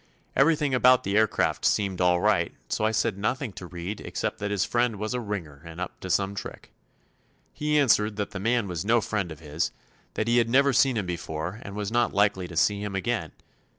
Everything about the aircraft seemed all right, so I said nothing to Reed except that his friend was a ringer and up to some trick. He answered that the man was no friend of his; that he had never seen him before and was not likely to see him again.